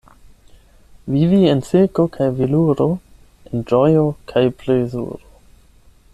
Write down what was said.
Vivi en silko kaj veluro, en ĝojo kaj plezuro.